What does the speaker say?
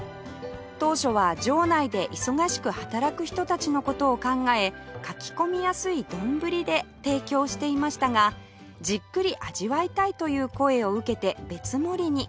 当初は場内で忙しく働く人たちの事を考えかきこみやすいどんぶりで提供していましたがじっくり味わいたいという声を受けて別盛りに